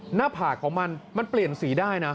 หน้าผากของมันมันเปลี่ยนสีได้นะ